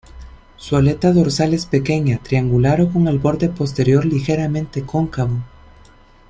Su aleta dorsal es pequeña, triangular o con el borde posterior ligeramente cóncavo.